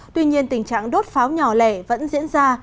tuy nhiên tình trạng đốt pháo nhỏ lẻ vẫn diễn ra